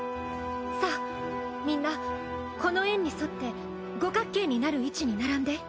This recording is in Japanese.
さあみんなこの円に沿って五角形になる位置に並んで。